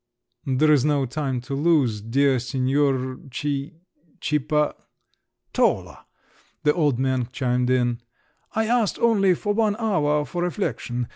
"There's no time to lose, dear Signor Ci … cippa …" "Tola," the old man chimed in. "I ask only for one hour for reflection….